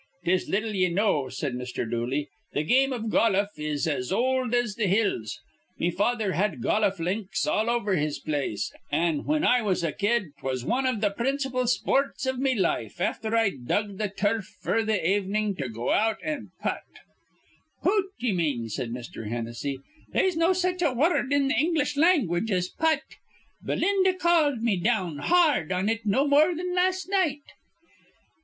"'Tis little ye know," said Mr. Dooley. "Th' game iv goluf is as old as th' hills. Me father had goluf links all over his place, an', whin I was a kid, 'twas wan iv th' principal spoorts iv me life, afther I'd dug the turf f'r th' avenin', to go out and putt" "Poot, ye mean," said Mr. Hennessy. "They'se no such wurrud in th' English language as putt. Belinda called me down ha ard on it no more thin las' night."